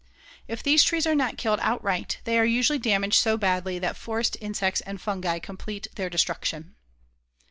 If these trees are not killed outright, they are usually damaged so badly that forest insects and fungi complete their destruction.